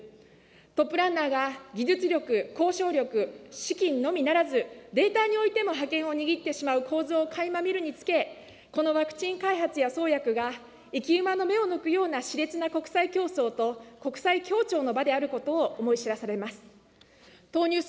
トップランナーが技術力、交渉力、資金のみならず、データにおいても覇権を握ってしまう構図をかいま見るにつけ、このワクチン開発や創薬が、生き馬の目を抜くようなしれつな国際競争と、国際協調の場であることを思い知らされます。